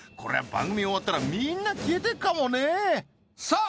番組終わったらみんな消えてっかもねさあ